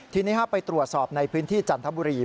ทีนี้ไปตรวจสอบในพื้นที่จันทบุรี